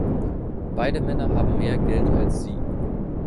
Beide Männer haben mehr Geld als Sie!